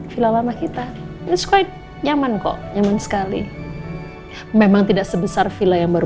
villa lama kita it's quite nyaman kok nyaman sekali memang tidak sebesar villa yang baru